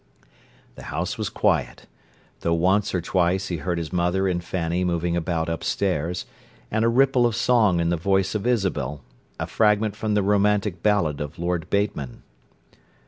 The house was quiet, though once or twice he heard his mother and Fanny moving about upstairs, and a ripple of song in the voice of Isabel—a fragment from the romantic ballad of Lord Bateman.